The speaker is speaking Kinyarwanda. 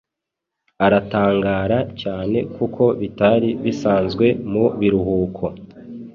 aratangara cyane kuko bitari bisanzwe mu biruhuko.